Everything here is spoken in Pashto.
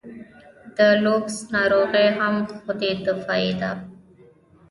د لوپس ناروغي هم خودي دفاعي ده.